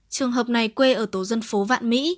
trường hợp này quê ở tổ dân phố vạn mỹ